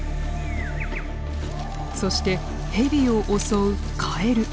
そしてヘビを襲うカエル。